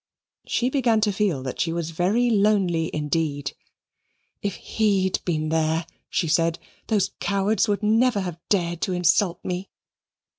She began to feel that she was very lonely indeed. "If HE'D been here," she said, "those cowards would never have dared to insult me."